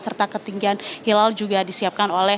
serta ketinggian hilal juga disiapkan oleh